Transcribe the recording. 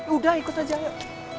udah ikut aja yuk